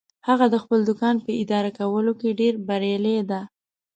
هغه د خپل دوکان په اداره کولو کې ډیر بریالی ده